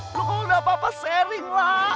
lo kalau gak apa apa sharing lah